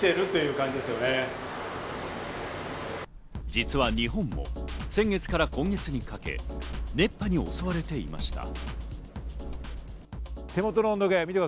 実は日本も先月から今月にかけ、熱波に襲われていました。